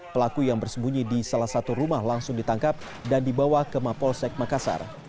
pelaku yang bersembunyi di salah satu rumah langsung ditangkap dan dibawa ke mapolsek makassar